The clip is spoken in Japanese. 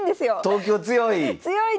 東京強い？